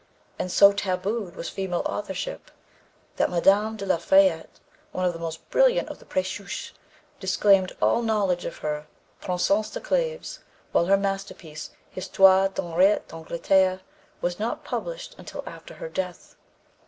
And so tabooed was female authorship that Mme. de La Fayette, one of the most brilliant of the précieuses, disclaimed all knowledge of her Princesse de Clèves, while her masterpiece, Histoire d'Henriette d'Angleterre, was not published until after her death.